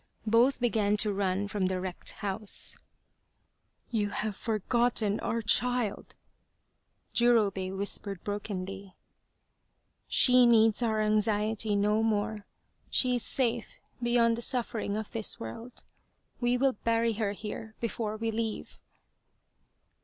Both began to run from the wrecked house. 39 The Quest of the Sword " You have forgotten our child !" Jurobei whispered brokenly. " She needs our anxiety no more. She is safe beyond the suffering of this world. We will bury her here before we leave."